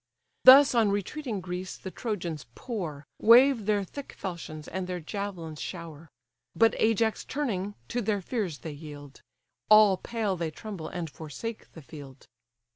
Thus on retreating Greece the Trojans pour, Wave their thick falchions, and their javelins shower: But Ajax turning, to their fears they yield, All pale they tremble and forsake the field.